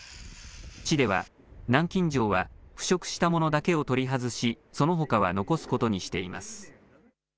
市では南京錠は腐食したものだけを取り外し、そのほかは残すことにしています。